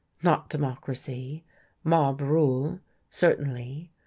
Not democracy, mob rule certainly.